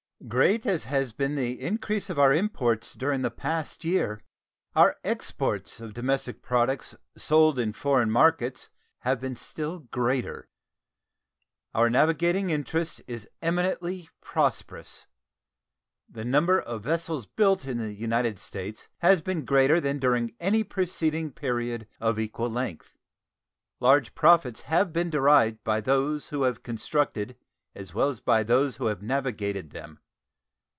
Great as has been the increase of our imports during the past year, our exports of domestic products sold in foreign markets have been still greater. Our navigating interest is eminently prosperous. The number of vessels built in the United States has been greater than during any preceding period of equal length. Large profits have been derived by those who have constructed as well as by those who have navigated them.